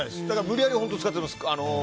だから、無理やり使ってます。